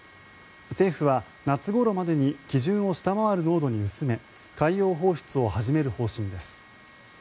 政府は夏ごろまでに基準を下回る濃度に薄め海洋放出を始める方針です。